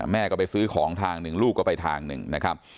แม่ก็ไปซื้อของทางหนึ่งลูกก็ไปทางหนึ่งนะครับ